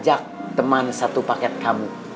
ajak teman satu paket kamu